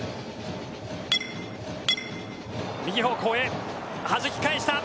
右方向へ、はじき返した。